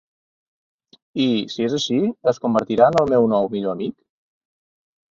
I, si és així, es convertirà en el meu nou millor amic?